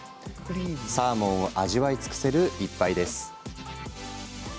サーモンを味わい尽くせる１杯です。